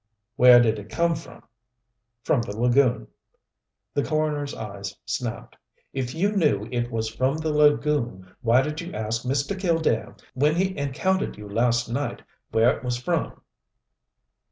"Where did it come from?" "From the lagoon." The coroner's eyes snapped. "If you knew it was from the lagoon why did you ask Mr. Killdare, when he encountered you last night, where it was from."